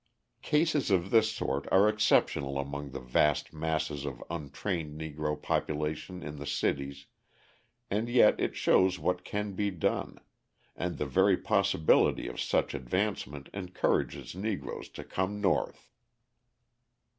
Cases of this sort are exceptional among the vast masses of untrained Negro population in the cities, and yet it shows what can be done and the very possibility of such advancement encourages Negroes to come North.